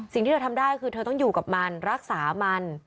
สิ่งที่เธอทำได้คือเธอต้องอยู่กับมันรักษามัน